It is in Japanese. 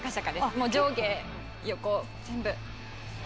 もう上下横全部。